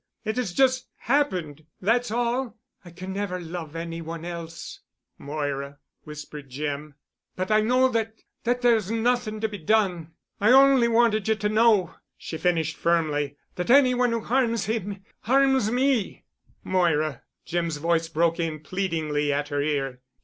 It has just happened—that's all. I can never love any one else——" "Moira——," whispered Jim. "But I know that—that there's nothing to be done. I only wanted you to know," she finished firmly, "that any one who harms him, harms me——" "Moira," Jim's voice broke in pleadingly at her ear.